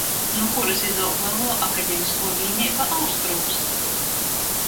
Nu kurys izaug leluo akademiskuo vīneiba "Austrums".